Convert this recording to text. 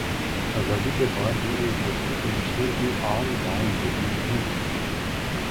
آزادی کے بعد بھی ایک ڈپٹی کمشنر کی آن بان وہی رہی